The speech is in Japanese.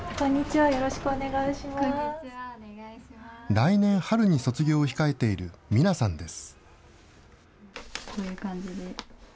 来年春に卒業を控えているミナさんです。